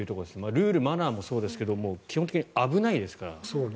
ルールもマナーもそうですが基本的に危ないですから。